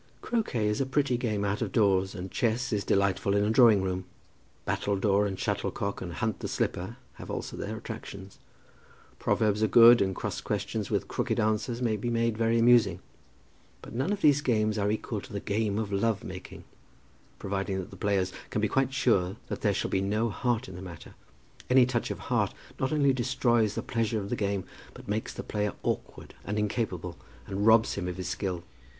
Croquet is a pretty game out of doors, and chess is delightful in a drawing room. Battledoor and shuttlecock and hunt the slipper have also their attractions. Proverbs are good, and cross questions with crooked answers may be made very amusing. But none of these games are equal to the game of love making, providing that the players can be quite sure that there shall be no heart in the matter. Any touch of heart not only destroys the pleasure of the game, but makes the player awkward and incapable and robs him of his skill.